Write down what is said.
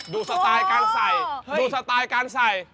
ดูสไตล์การใส่เหลือเท่าไร